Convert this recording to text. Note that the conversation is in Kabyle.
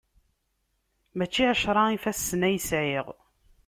Mačči ɛecra ifassen ay sɛiɣ!